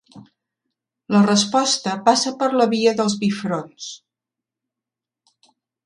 La resposta passa per la via dels bifronts.